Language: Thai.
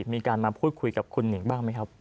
มีการมาพูดคุยกับคุณหนิงบ้างไหมครับ